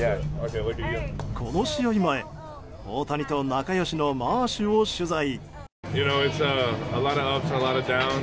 この試合前、大谷と仲良しのマーシュを取材。